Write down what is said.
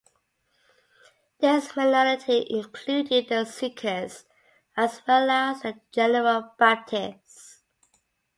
This minority included the Seekers, as well as the General Baptists.